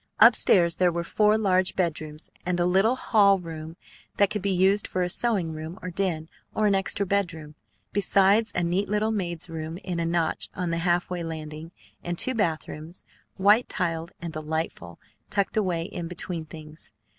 Up stairs there were four large bedrooms and a little hall room that could be used for a sewing room or den, or an extra bedroom, besides a neat little maid's room in a notch on the half way landing, and two bathrooms, white tiled and delightful, tucked away in between things.